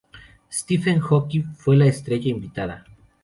Stephen Hawking fue la estrella invitada.